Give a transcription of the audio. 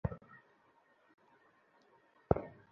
এবার তা পোড়া মাটির মত শুকনো ঠনঠনে মাটিতে রূপান্তরিত হয়।